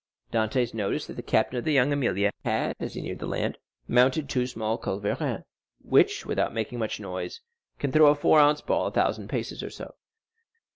Dantès noticed that the captain of La Jeune Amélie had, as he neared the land, mounted two small culverins, which, without making much noise, can throw a four ounce ball a thousand paces or so.